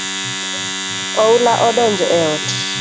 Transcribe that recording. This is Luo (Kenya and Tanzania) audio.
Oula odonjo e ot